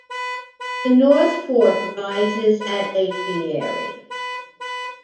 The North Fork rises at Apiary.